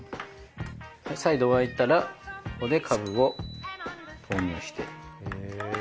再度沸いたらここでカブを投入して。